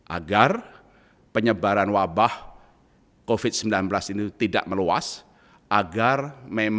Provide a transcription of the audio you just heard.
agar penyebaran wabah covid sembilan belas ini tidak meluas agar memang kita bisa segera atasi bersama